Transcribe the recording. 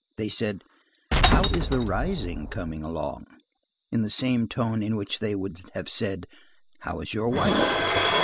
They said: "How is the rising coming along?" in the same tone in which they would have said: "How is your wife?"